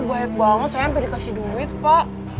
baik banget saya hampir dikasih duit pak